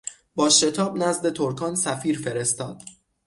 با شتاب نزد ترکان سفیر فرستاد.